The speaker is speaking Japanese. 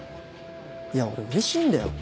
いや俺うれしいんだよ。